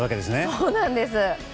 そうなんです。